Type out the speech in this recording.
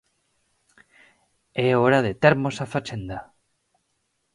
É hora de termos a fachenda.